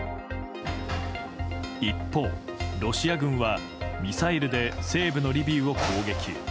一方、ロシア軍はミサイルで西部のリビウを攻撃。